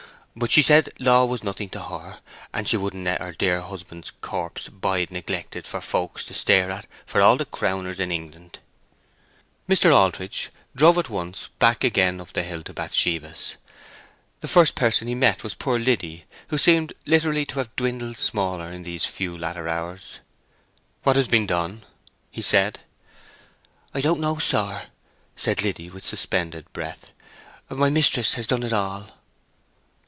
But she said law was nothing to her, and she wouldn't let her dear husband's corpse bide neglected for folks to stare at for all the crowners in England." Mr. Aldritch drove at once back again up the hill to Bathsheba's. The first person he met was poor Liddy, who seemed literally to have dwindled smaller in these few latter hours. "What has been done?" he said. "I don't know, sir," said Liddy, with suspended breath. "My mistress has done it all."